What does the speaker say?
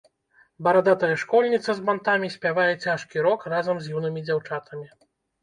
Барадатая школьніца з бантамі спявае цяжкі рок разам з юнымі дзяўчатамі.